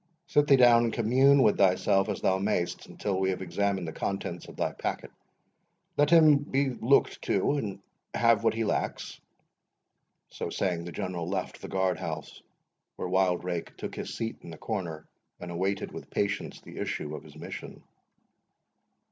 Sit thee down, and commune with thyself as thou may'st, until we have examined the contents of thy packet. Let him be looked to, and have what he lacks." So saying the General left the guard house, where Wildrake took his seat in the corner, and awaited with patience the issue of his mission.